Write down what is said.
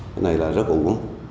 cái này là rất ủng